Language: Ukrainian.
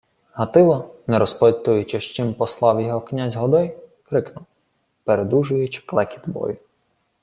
Гатило, не розпитуючи, з чим послав його князь Годой, крикнув, передужуючи клекіт бою: